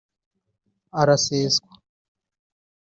araseswa